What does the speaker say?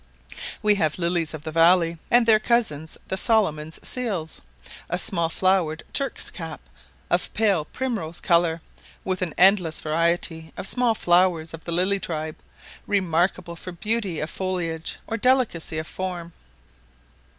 We have lilies of the valley, and their cousins the Solomon's seals, a small flowered turk's cap, of pale primrose colour, with an endless variety of small flowers of the lily tribe, remarkable for beauty of foliage or delicacy of form.